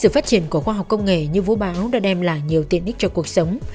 sự phát triển của khoa học công nghệ như vũ báo đã đem lại nhiều tiện ích cho cuộc sống